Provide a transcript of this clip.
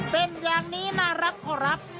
เป็นอย่างนี้น่ารักก็รัก